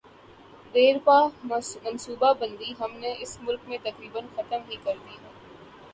دیرپا منصوبہ بندی ہم نے اس ملک میں تقریبا ختم کر دی ہے۔